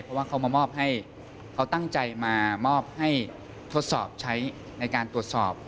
เพราะว่าเขามามอบให้เขาตั้งใจมามอบให้ทดสอบใช้ในการตรวจสอบ